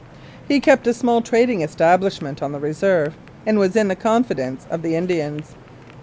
He kept a small trading establishment on the reserve, and was in the confidence of the Indians.